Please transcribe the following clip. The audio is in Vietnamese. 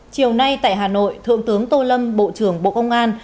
chiều nay tại hà nội thượng tướng tô lâm bộ trưởng bộ công an